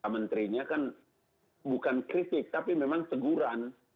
menterinya kan bukan kritik tapi memang teguran